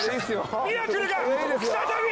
ミラクルが再び！